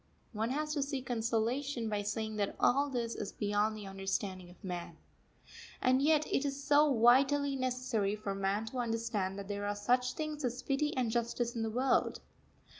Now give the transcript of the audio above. One has to seek consolation by saying that all this is beyond the understanding of man. And yet, it is so vitally necessary for man to understand that there are such things as pity and justice in the world.